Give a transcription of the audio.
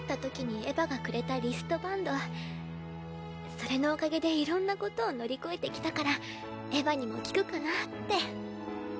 それのおかげでいろんな事を乗り越えてきたからエヴァにも効くかなって。